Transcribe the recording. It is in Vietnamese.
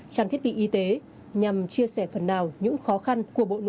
trang thiết bị y tế nhằm chia sẻ phần nào những khó khăn của bộ nội vụ cuba